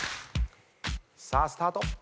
さあスタート。